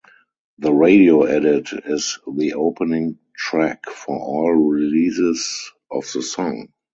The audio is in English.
The radio edit is the opening track for all releases of the song.